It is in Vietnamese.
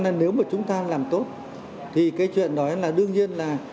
là nếu mà chúng ta làm tốt thì cái chuyện đó là đương nhiên là